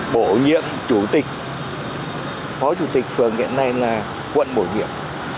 bổ nhiệm chủ tịch phó chủ tịch phường hiện nay là quận bổ nhiệm